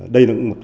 đây là một